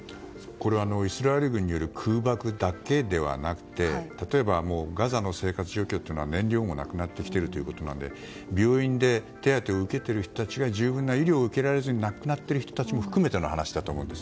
これはイスラエル軍による空爆だけではなくて例えば、ガザの生活状況は燃料もなくなってきていて病院で、手当てを受けている人たちが十分な医療を受けられず亡くなっている人たちも含めての話だと思うんです。